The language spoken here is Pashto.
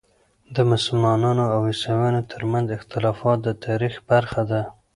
د مسلمانو او عیسویانو ترمنځ اختلافات د تاریخ برخه ده.